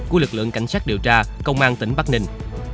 của lực lượng cảnh sát điều tra công an tỉnh bắc ninh